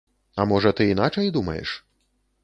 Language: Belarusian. А можа ты іначай думаеш?